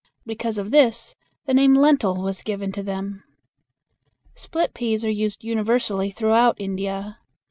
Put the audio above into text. Because of this the name lentil was given to them. Split peas are used universally throughout India.